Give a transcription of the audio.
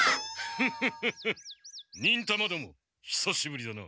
フッフッフッフ忍たまどもひさしぶりだな。